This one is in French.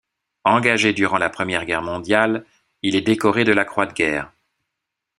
Engagé durant la Première Guerre mondiale, il est décoré de la croix de guerre.